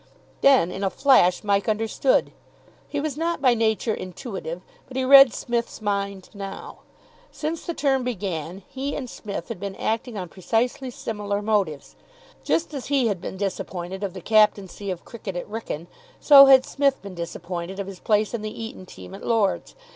Then in a flash Mike understood. He was not by nature intuitive, but he read Psmith's mind now. Since the term began, he and Psmith had been acting on precisely similar motives. Just as he had been disappointed of the captaincy of cricket at Wrykyn, so had Psmith been disappointed of his place in the Eton team at Lord's.